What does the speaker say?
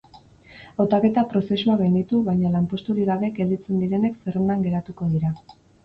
Hautaketa prozesua gainditu baina lanposturik gabe gelditzen direnek zerrendan geratuko dira.